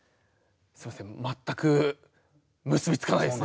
すみません全く結び付かないですね。